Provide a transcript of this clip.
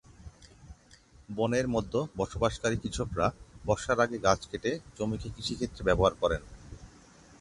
বনের মধ্যে বসবাসকারী কৃষকরা বর্ষার আগে গাছ কেটে জমিকে কৃষিক্ষেত্রে ব্যবহার করেন।